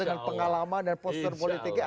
dengan pengalaman dan poster politiknya